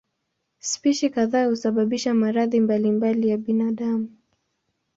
Spishi kadhaa husababisha maradhi mbalimbali ya binadamu.